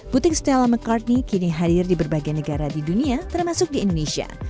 butik stella mccartney kini hadir di berbagai negara di dunia termasuk di indonesia